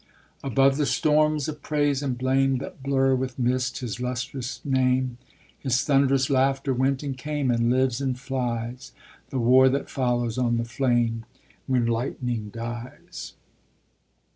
Above the storms of praise and blame That blur with mist his lustrous name, His thunderous laughter went and came, And lives and flies; The war that follows on the flame When lightning dies.